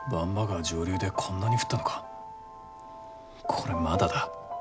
これまだだ。